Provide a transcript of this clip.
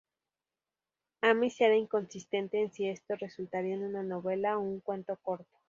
Amis era inconsistente en si esto resultaría en una novela o un cuento corto.